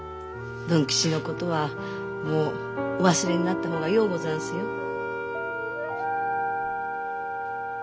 文吉のことはもうお忘れになった方がようござんすよ。